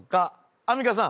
アンミカさん。